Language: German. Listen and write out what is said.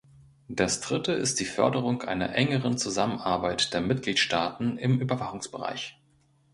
Das dritte ist die Förderung einer engeren Zusammenarbeit der Mitgliedstaaten im Überwachungsbereich.